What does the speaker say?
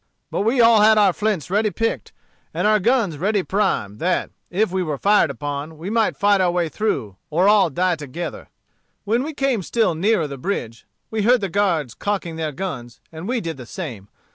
But we all had our flints ready picked and our guns ready primed, that, if we were fired on, we might fight our way through, or all die together. "When we came still nearer the bridge we heard the guards cocking their guns, and we did the same.